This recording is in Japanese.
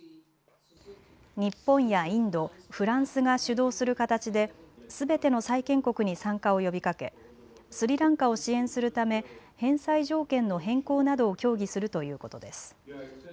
日本やインド、フランスが主導する形で全ての債権国に参加を呼びかけスリランカを支援するため返済条件の変更などを協議するということです。